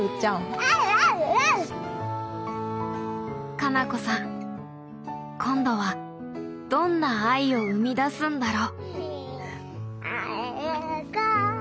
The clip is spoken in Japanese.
花菜子さん今度はどんな藍を生み出すんだろう。